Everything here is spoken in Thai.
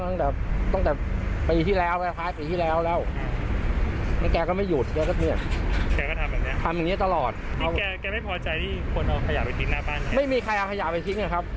ไม่มีใครเอาขยะไปทิ้งนะครับ